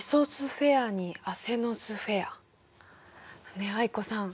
ねえ藍子さん